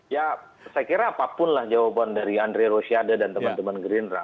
ya saya kira apapun lah jawaban dari andre rosiade dan teman teman gerindra